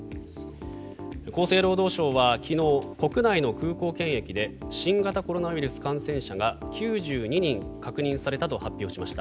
厚生労働省は昨日国内の空港検疫で新型コロナウイルス感染者が９２人確認されたと発表しました。